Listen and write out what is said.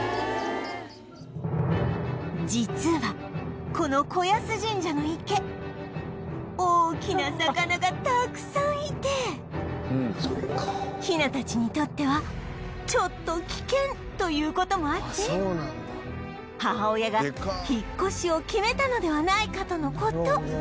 実はこの子安神社の池大きな魚がたくさんいてヒナたちにとってはちょっと危険という事もあって母親が引っ越しを決めたのではないかとの事